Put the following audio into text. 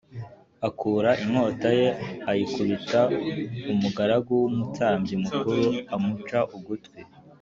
akura inkota ye ayikubita umugaragu w’Umutambyi mukuru amuca ugutwi